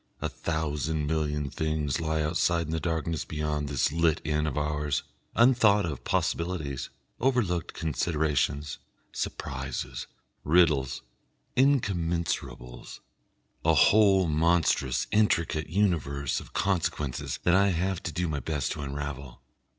A thousand million things lie outside in the darkness beyond this lit inn of ours, unthought of possibilities, overlooked considerations, surprises, riddles, incommensurables, a whole monstrous intricate universe of consequences that I have to do my best to unravel.